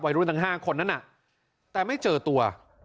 รุ่นทั้ง๕คนนั้นน่ะแต่ไม่เจอตัว